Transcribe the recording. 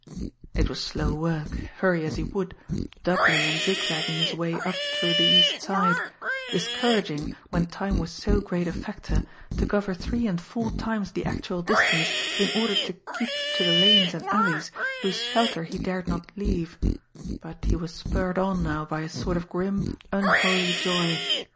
It was slow work, hurry as he would, doubling and zigzagging his way up through the East Side; discouraging, when time was so great a factor, to cover three and four times the actual distance in order to keep to the lanes and alleys whose shelter he dared not leave; but he was spurred on now by a sort of grim, unholy joy.